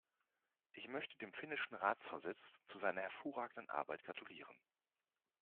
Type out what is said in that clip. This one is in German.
Ich möchte dem finnischen Ratsvorsitz zu seiner hervorragenden Arbeit gratulieren.